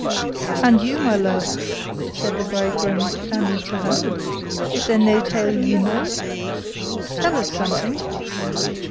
'And you, my love,' said the bridegroom, turning to her, 'is there no tale you know? Tell us something.